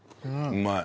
うまい。